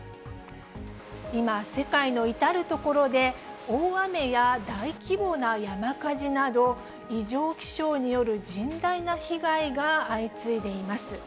今、世界の至る所で大雨や大規模な山火事など、異常気象による甚大な被害が相次いでいます。